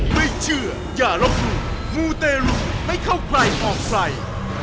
ไม่เชื่ออย่าลบหลู่มูเตรุไม่เข้าใครออกใคร